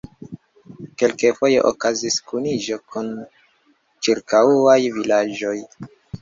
Kelkfoje okazis kuniĝo kun ĉirkaŭaj vilaĝoj.